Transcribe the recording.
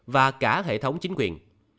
và cả hệ thống chính quyền